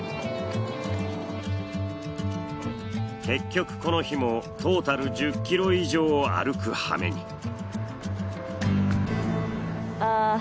結局この日もトータル１０ｋｍ以上歩くはめに。